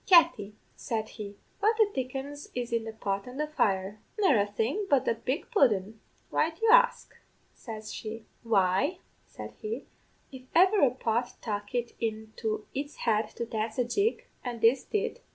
"'Katty,' said he, 'what the dickens is in this pot on the fire?' "'Nerra thing but the big pudden. Why do you ax?' says she. "'Why,' said he, 'if ever a pot tuck it into its head to dance a jig, and this did.